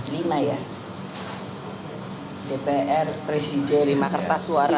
lima ya dpr presiden lima kertas suara